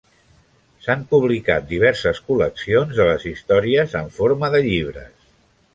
S'han publicat diverses col·leccions de les històries en forma de llibres.